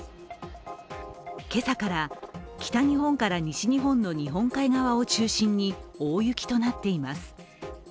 今朝から北日本から西日本の日本海側を中心に大雪となっています。